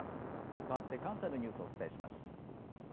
かわって関西のニュースをお伝えします。